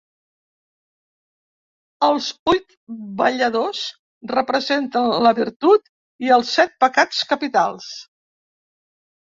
Els huit balladors representen la virtut i els set pecats capitals.